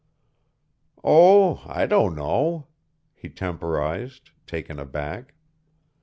"Oh, I don't know," he temporized, taken aback.